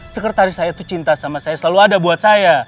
sekretaris saya itu cinta sama saya selalu ada buat saya